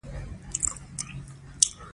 کښېنستلو ته ست وکړ.